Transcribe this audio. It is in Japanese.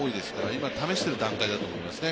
今、試している段階だと思いますね